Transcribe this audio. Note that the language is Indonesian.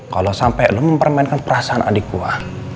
kalau sampai lo mempermainkan perasaan adik gue